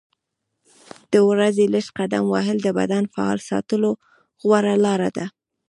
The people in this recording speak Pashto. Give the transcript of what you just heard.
د ورځې لږ قدم وهل د بدن فعال ساتلو غوره لاره ده.